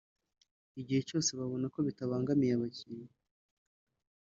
igihe cyose babona ko bitabangamiye abakiliya